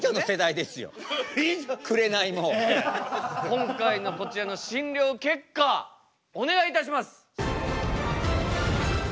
今回のこちらの診療結果お願いいたします。